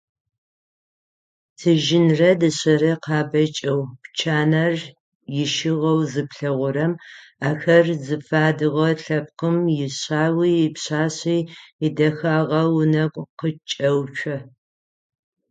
Тыжьынрэ, дышъэрэ къябэкӏэу, пчанэр ищыгъэу зыплъэгъурэм ахэр зыфадыгъэ лъэпкъым ишъауи ипшъашъи ядэхагъэ унэгу къыкӏэуцо.